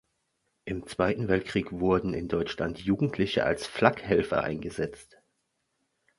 Im Zweiten Weltkrieg wurden in Deutschland Jugendliche als Flakhelfer eingesetzt.